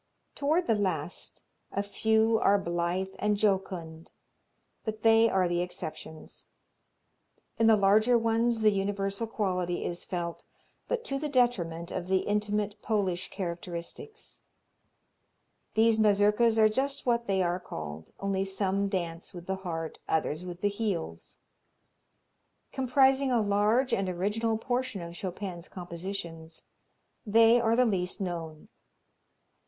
Toward the last, a few are blithe and jocund, but they are the exceptions. In the larger ones the universal quality is felt, but to the detriment of the intimate, Polish characteristics. These Mazurkas are just what they are called, only some dance with the heart, others with the heels. Comprising a large and original portion of Chopin's compositions, they are the least known.